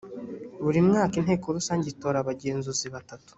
buri mwaka inteko rusange itora abagenzuzi batatu.